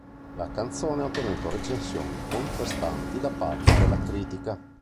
La canzone ha ottenuto recensioni contrastanti da parte della critica.